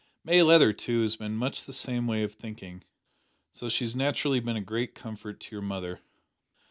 May Leather, too, has been much the same way of thinking, so she has naturally been a great comfort to your mother."